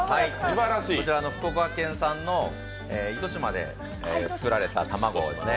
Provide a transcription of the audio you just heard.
福岡県産の糸島で作られた卵ですね。